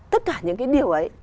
tất cả những cái điều ấy